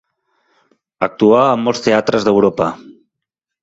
Actuà a molts teatres d'Europa.